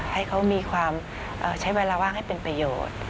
ให้เขามีความใช้เวลาว่างให้เป็นประโยชน์